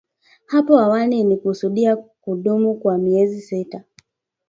Hapo awali ilikusudia kudumu kwa miezi sita.